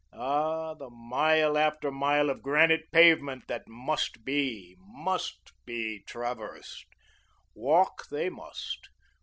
Ah, the mile after mile of granite pavement that MUST be, MUST be traversed. Walk they must.